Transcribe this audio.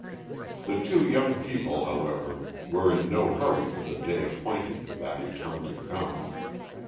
The two young people, however, were in no hurry for the day appointed for that return to come.